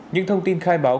những thông tin khai báo